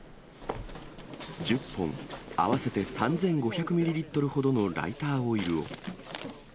１０本、合わせて３５００ミリリットルほどのライターオイルを。